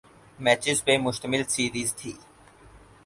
matches پہ مشتمل series تھی